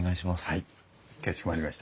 はいかしこまりました。